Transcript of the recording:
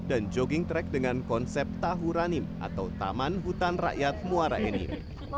dan jogging track dengan konsep tahuranim atau taman hutan rakyat muara enim